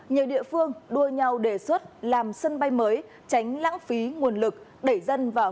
nhiều địa phương đua nhau đề xuất làm sân bay mới tránh lãng phí nguồn lực đẩy dân vào